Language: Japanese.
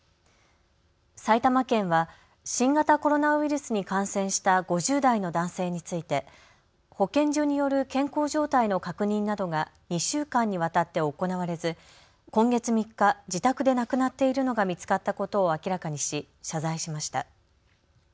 埼玉県は新型コロナウイルスに感染した５０代の男性について保健所による健康状態の確認などが２週間にわたって行われず今月３日、自宅で亡くなっているのが見つかったことを明らかにし謝罪しました。